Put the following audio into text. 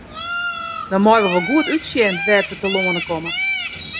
Dan meie we wol goed útsjen wêr't we telâne komme.